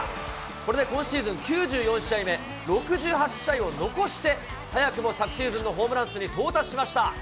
これで今シーズン、９４試合目、６８試合を残して早くも昨シーズンのホームラン数に到達しました。